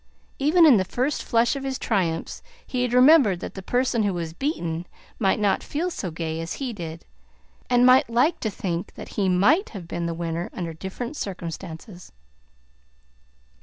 Even in the first flush of his triumphs, he remembered that the person who was beaten might not feel so gay as he did, and might like to think that he MIGHT have been the winner under different circumstances.